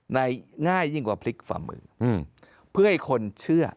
ง่ายยิ่งกว่าพลิกฝ่ามือเพื่อให้คนเชื่อ